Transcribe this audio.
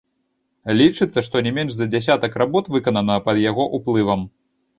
Лічыцца, што не менш за дзясятак работ выканана пад яго уплывам.